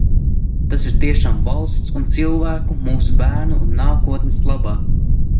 Tas ir tiešām valsts un cilvēku, mūsu bērnu un nākotnes labā.